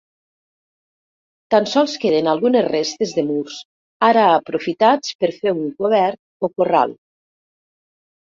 Tan sols queden algunes restes de murs ara aprofitats per fer un cobert o corral.